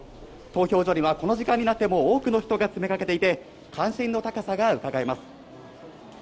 投票所にはこの時間になっても、多くの人が詰めかけていて、関心の高さがうかがえます。